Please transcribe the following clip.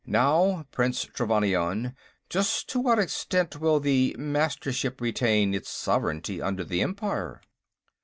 Now, Prince Trevannion; just to what extent will the Mastership retain its sovereignty under the Empire?"